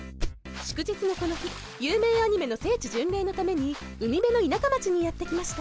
祝日のこの日有名アニメの聖地巡礼のために海辺の田舎町にやって来ました